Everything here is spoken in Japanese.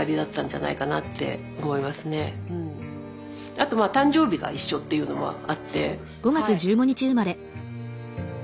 あと誕生日が一緒っていうのもあってはい。